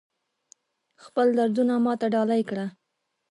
خپل دردونه ماته ډالۍ کړه